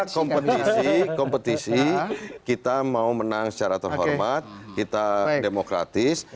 kompetisi kompetisi kita mau menang secara terhormat kita demokratis